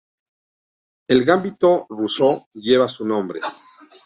El Gambito Rousseau lleva su nombre.